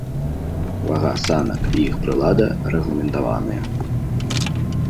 Вага санак і іх прылада рэгламентаваныя.